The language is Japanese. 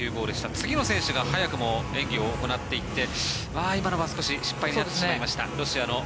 次の選手が早くも演技を行っていって今、少し失敗になってしまいました。